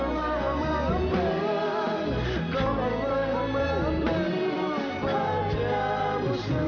kita tidak boleh mengharapkan sesuatu yang